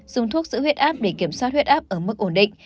dùng thuốc giữ huyết áp để kiểm soát huyết áp ở mức ổn định